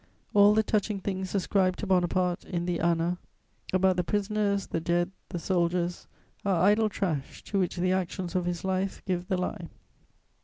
All the touching things ascribed to Bonaparte in the ana about the "prisoners," the "dead," the "soldiers," are idle trash to which the actions of his life give the lie.